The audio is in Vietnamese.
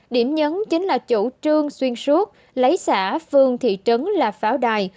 điểm nhấn chính là chủ trương xuyên suốt lấy xã phương thị trấn là pháo đài